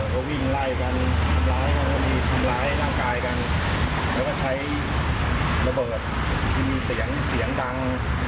ก็วิ่งไล่กันทำร้ายกันก็มีทำร้ายร่างกายกันแล้วก็ใช้ระเบิดที่มีเสียงเสียงดัง